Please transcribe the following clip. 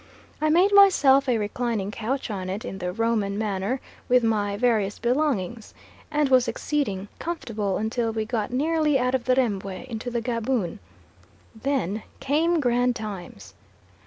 I made myself a reclining couch on it in the Roman manner with my various belongings, and was exceeding comfortable until we got nearly out of the Rembwe into the Gaboon. Then came grand times.